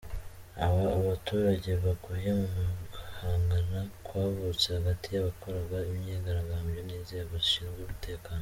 Aba baturage baguye mu guhangana kwavutse hagati y’abakoraga imyigaragambyo n’inzego zishinzwe umutekano.